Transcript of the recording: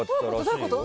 どういうこと？